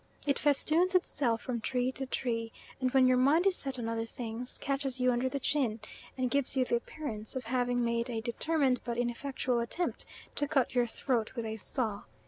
It festoons itself from tree to tree, and when your mind is set on other things, catches you under the chin, and gives you the appearance of having made a determined but ineffectual attempt to cut your throat with a saw.